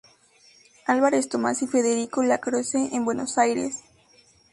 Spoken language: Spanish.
Álvarez Thomas y Federico Lacroze, en Buenos Aires.